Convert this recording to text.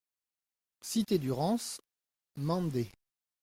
Cité du Rance, Mende